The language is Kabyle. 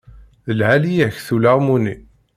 D lɛali-yak-t ulaɣmu-nni.